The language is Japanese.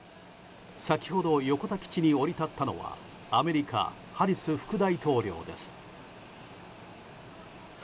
先ほど横田基地に降り立ったのはアメリカ、ハリス副大統領です。